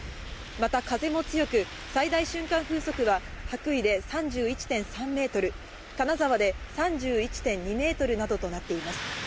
また風も強く、最大瞬間風速は羽咋で３１．３メートル、金沢で３１．２メートルなどとなっています。